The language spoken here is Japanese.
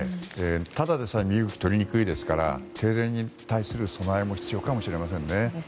ただでさえ身動きとりにくいですから停電に対する備えも必要かもしれませんね。